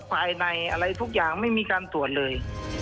ภายในอะไรทุกอย่างไม่มีการตรวจเลย